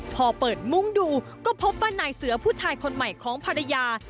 พอเปิดมุ้งดูก็พบว่านายเสือผู้ชายคนใหม่ของภรรยา